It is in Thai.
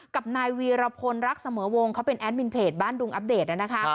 กับนายวีรพลรักเสมอวงเขาเป็นแอดมินเพจบ้านดุงอัปเดตนะคะ